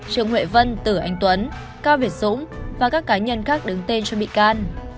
trương huệ vân tử anh tuấn cao việt dũng và các cá nhân khác đứng tên cho bị can